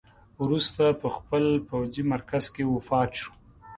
وروسته په خپل پوځي مرکز کې وفات شو.